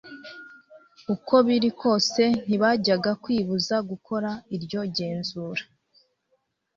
uko biri kose ntibajyaga kwibuza gukora iryo genzura,